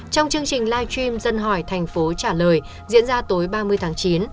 trong chương trình live stream dân hỏi tp hcm trả lời diễn ra tối ba mươi tháng chín